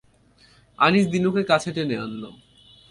আনিস দিনুকে কাছে টেনে আনল।